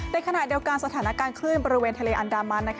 ในขณะเดียวกันสถานการณ์คลื่นบริเวณทะเลอันดามัน